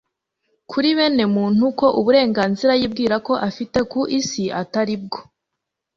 kuri bene muntu, ko uburenganzira yibwira ko afite ku isi ataribwo.